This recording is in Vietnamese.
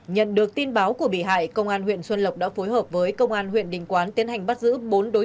nhận được tin báo của bị hại công an huyện xuân lộc đã phối hợp với công an huyện đình quán tiến hành bắt giữ tài